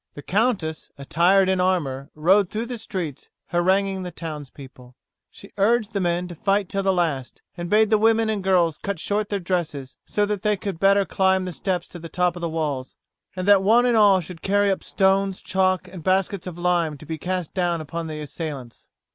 The countess, attired in armour, rode through the streets haranguing the townspeople. She urged the men to fight till the last, and bade the women and girls cut short their dresses so that they could the better climb the steps to the top of the walls, and that one and all should carry up stones, chalk, and baskets of lime to be cast down upon the assailants.